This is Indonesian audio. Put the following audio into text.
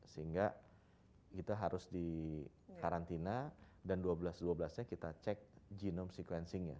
sehingga kita harus di karantina dan dua belas dua belas nya kita cek genome sequencingnya